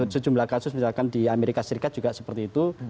sejumlah kasus misalkan di amerika serikat juga seperti itu